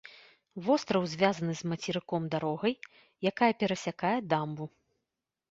Востраў звязаны з мацерыком дарогай, якая перасякае дамбу.